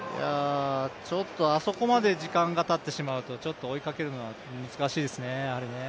ちょっとあそこまで時間がたってしまうと追いかけるのは難しいですね。